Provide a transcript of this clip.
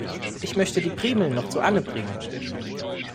Ich möchte die Primeln noch zu Anne bringen.